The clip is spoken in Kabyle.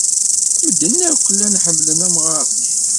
Medden akk llan ḥemmlen amɣar-nni.